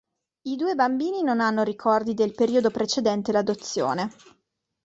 I due bambini non hanno ricordi del periodo precedente l'adozione.